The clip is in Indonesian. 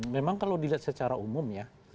memang kalau dilihat secara umum ya